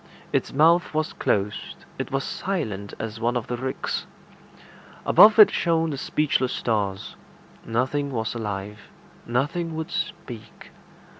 Its mouth was closed. It was silent as one of the ricks. Above it shone the speechless stars. Nothing was alive. Nothing would speak.